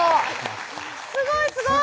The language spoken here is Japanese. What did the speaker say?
すごいすごい！